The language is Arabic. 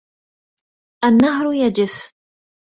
النهر يجف.